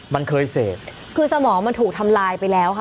มันเคยเสพคือสมองมันถูกทำลายไปแล้วค่ะ